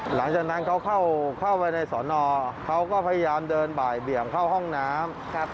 หลังจากนั้นเขาเข้าไปในสอนอเขาก็พยายามเดินบ่ายเบี่ยงเข้าห้องน้ำ